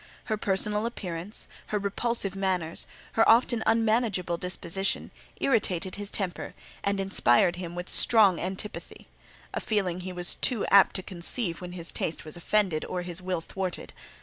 Her personal appearance, her repulsive manners, her often unmanageable disposition, irritated his temper, and inspired him with strong antipathy; a feeling he was too apt to conceive when his taste was offended or his will thwarted.